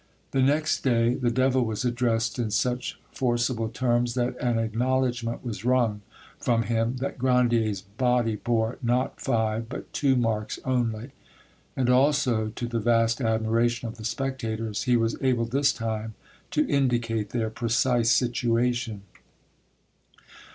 The next day the devil was addressed in such forcible terms that an acknowledgment was wrung from him that Grandier's body bore, not five, but two marks only; and also, to the vast admiration of the spectators, he was able this time to indicate their precise situation.